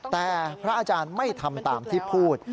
แต่พระอาจารย์ไม่ทำตามที่พูด